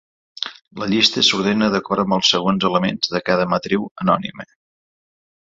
La llista s'ordena d'acord amb els segons elements de cada matriu anònima.